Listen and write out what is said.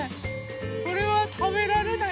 これはたべられない？